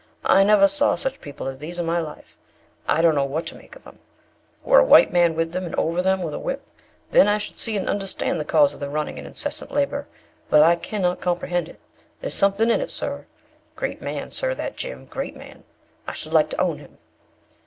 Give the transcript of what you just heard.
I never saw such people as these in my life. I don't know what to make of them. Were a white man with them and over them with a whip, then I should see and understand the cause of the running and incessant labour; but I cannot comprehend it; there is something in it, sir. Great man, sir, that Jim; great man; I should like to own him."